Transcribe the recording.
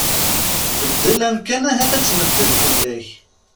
Beddel amkan ahat ad tbeddel fell-ak.